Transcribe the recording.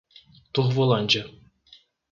Turvolândia